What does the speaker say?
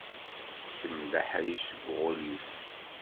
Kemm d aḥric seg uɣilif.